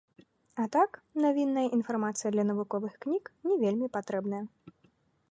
А так, навінная інфармацыя для навуковых кніг не вельмі патрэбная.